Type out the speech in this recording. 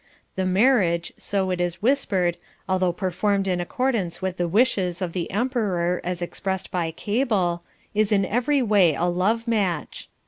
The marriage, so it is whispered, although performed in accordance with the wishes of the Emperor as expressed by cable, is in every way a love match.